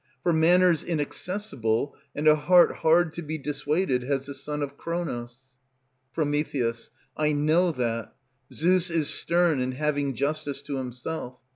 For manners Inaccessible, and a heart hard to be dissuaded has the son of Kronos. Pr. I know, that Zeus is stern and having Justice to himself.